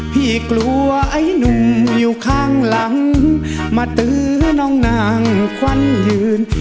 พี่กลัวไอ้หนุ่มอยู่ข้างหลังมาตื้อน้องนางควันยืน